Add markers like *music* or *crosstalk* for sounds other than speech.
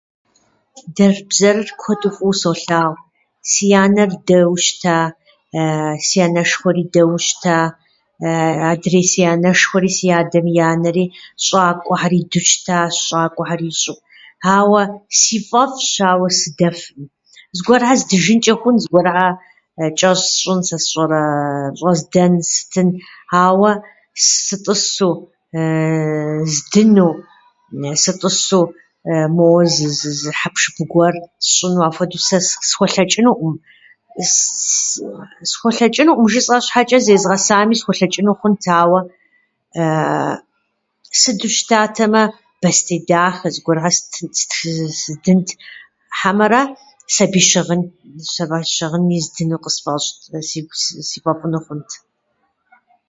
Дэрбзэрыр куэду фӏыуэ солъагъу. Си анэр дэуэ щыта *hesitation* си анэшхуэри дэуэ щыта *hesitation* Адрей си анэшхуэри (си адэм и анэри) щӏакӏуэхьэр иду щытащ, щӏакӏуэхьэр ищӏу. Ауэ си фӏэфӏщ, ауэ сыдэфӏым. Зыгуэрхэр здыжынчӏэ хъунщ, зыгуэрхэр чӏэщӏ сщӏын, сэ сщӏэрэ щӏэздэн сытын, ауэ сытӏысу *hesitation* здыну, сытӏысу моуэ зы- зы- зы хьэпшып гуэр сщӏыну апхуэду сэ схуэлъэкӏынуӏым. с- Схуэлъэчӏынуӏым жысӏэ щхьэчӏэ, зезгъэсами, схуэлъэчӏыну хъунт, ауэ *hesitation* сыдэу щытатэмэ, бостей дахэ, зыгуэрхьэр стхынт- здынт хьэмэрэ сабий щыгъын- сабий щыгъыни здыну къысфӏэщӏт, сигу с- си фӏэфӏыну хъунт.